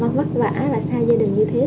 bà con vất vả và xa gia đình như thế này